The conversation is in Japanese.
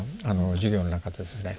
授業の中でですね。